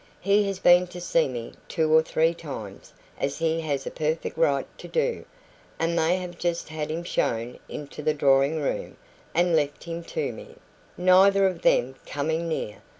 He has been to see me two or three times, as he has a perfect right to do, and they have just had him shown into the drawing room, and left him to me, neither of them coming near.